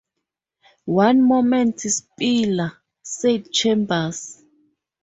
"One moment, Spiller," said Chambers.